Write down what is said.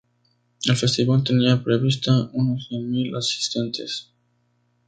El festival tenía prevista unos cien mil asistentes.